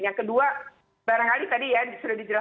yang kedua barangkali tadi ya sudah dijelaskan